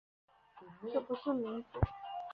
这不是民主